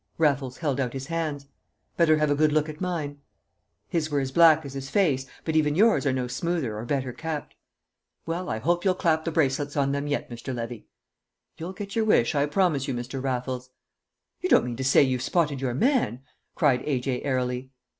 Raffles held out his hands. "Better have a good look at mine." "His were as black as his face, but even yours are no smoother or better kept." "Well, I hope you'll clap the bracelets on them yet, Mr. Levy." "You'll get your wish, I promise you, Mr. Raffles." "You don't mean to say you've spotted your man?" cried A.J. airily.